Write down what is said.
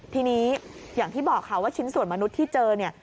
ทีนี้อย่างที่บอกค่ะว่าชิ้นส่วนมนุษย์ที่เจอเนี่ย